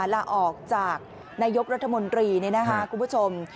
ลาออกจากนายกรัฐมนตรีคุณผู้ชม